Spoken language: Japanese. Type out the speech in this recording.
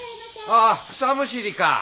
ああ草むしりか。